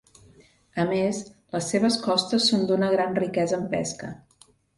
A més, les seves costes són d'una gran riquesa en pesca.